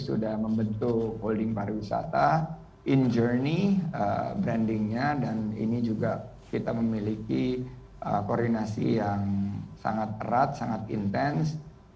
sudah membentuk holding pariwisata in journey brandingnya dan ini juga kita memiliki koordinasi yang sangat erat sangat intens